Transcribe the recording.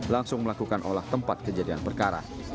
langsung melakukan olah tempat kejadian perkara